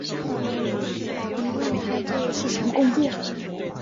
不论他做的是什么工作